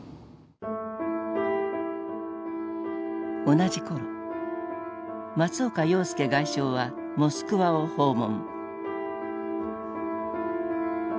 同じ頃松岡洋右外相はモスクワを訪問。